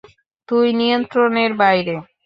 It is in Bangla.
তুই নিয়ন্ত্রণের বাইরে।